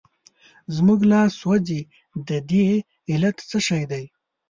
زموږ لاس سوځي د دې علت څه شی دی؟